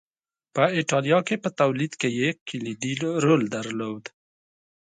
په اېټالیا کې په تولید کې یې کلیدي رول درلود